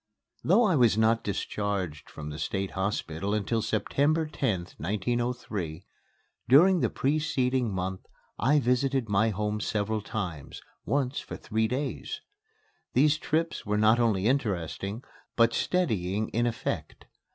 Though I was not discharged from the State Hospital until September 10th, 1903, during the preceding month I visited my home several times, once for three days. These trips were not only interesting, but steadying in effect.